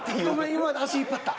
今まで足引っ張った。